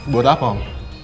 buat apa om